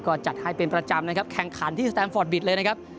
ก็จัดให้เป็นประจำนะครับแข่งขันที่สแตมฟอร์ดบิดเลยนะครับ